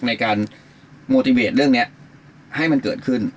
ในการโมติเวทเรื่องนี้ให้มันเกิดขึ้น